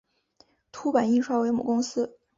凸版印刷为母公司。